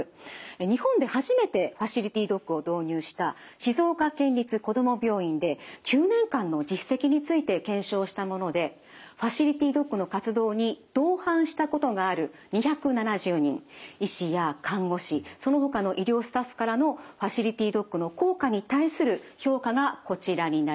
日本で初めてファシリティドッグを導入した静岡県立こども病院で９年間の実績について検証したものでファシリティドッグの活動に同伴したことがある２７０人医師や看護師そのほかの医療スタッフからのファシリティドッグの効果に対する評価がこちらになります。